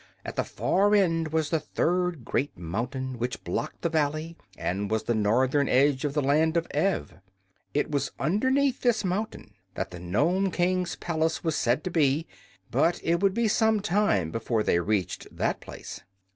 At the far end was the third great mountain, which blocked the valley and was the northern edge of the Land of Ev. It was underneath this mountain that the Nome King's palace was said to be; but it would be some time before they reached that place.